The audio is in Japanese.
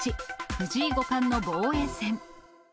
藤井五冠の防衛戦。